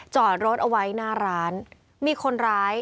จอดรถเอาไว้หน้าร้านมีคนร้าย